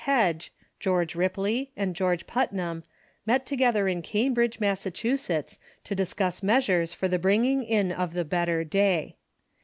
Hedge, George Ripley, and George Putnam met together in Cambridge, Massachusetts, to discuss meas ures for the bringing in of the better day.